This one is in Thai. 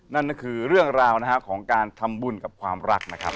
นั่นก็คือเรื่องราวนะครับของการทำบุญกับความรักนะครับ